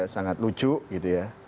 sangat lucu gitu ya